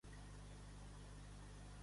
Més endavant, va matar un altre sikh.